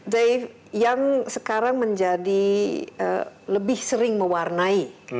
dave yang sekarang menjadi lebih sering mewarnai